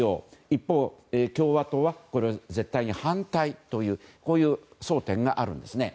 一方、共和党は絶対に反対というこういう争点があるんですね。